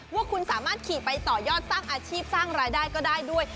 ว่าคุณสามารถขี่ไปต่อยอดสร้างอาชีพสร้างรายได้ก็ได้ด้วย